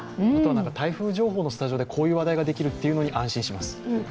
台風情報のスタジオでこういう話題ができるというのに安心します。